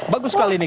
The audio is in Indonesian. bagus sekali nih